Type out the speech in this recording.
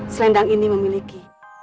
selendang ini memiliki